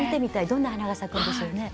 どんな花が咲くんですかね。